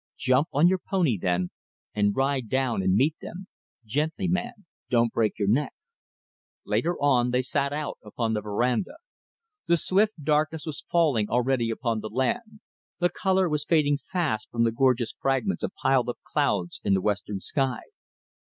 "Jump on your pony, then, and ride down and meet them. Gently, man! Don't break your neck." ... Later on they sat out upon the veranda. The swift darkness was falling already upon the land, the colour was fading fast from the gorgeous fragments of piled up clouds in the western sky.